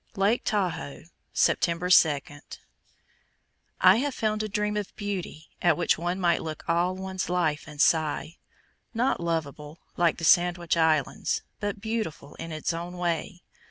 LAKE TAHOE, September 2. I have found a dream of beauty at which one might look all one's life and sigh. Not lovable, like the Sandwich Islands, but beautiful in its own way!